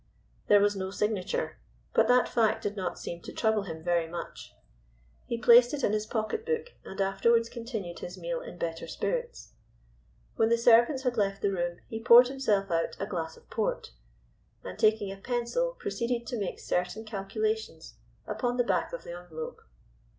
There was no signature, but that fact did not seem to trouble him very much. He placed it in his pocketbook, and afterwards continued his meal in better spirits. When the servants had left the room he poured himself out a glass of port, and taking a pencil proceeded to make certain calculations upon the back of an envelope.